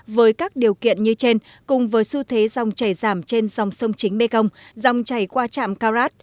với các điều kiện như trên cùng với xu thế dòng chảy giảm trên dòng sông chính mekong dòng chảy qua trạm karat